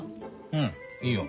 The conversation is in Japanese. うんいいよ。